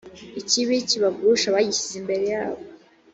ikibi kibagusha bagishyize imbere yabo